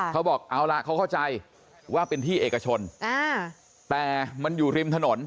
เขาบอกเอาล่ะเขาเข้าใจว่าเป็นที่เอกชนแต่มันอยู่ริมถนน